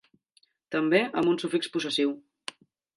També amb un sufix possessiu.